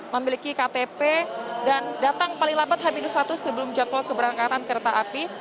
memiliki ktp dan datang paling lambat h satu sebelum jadwal keberangkatan kereta api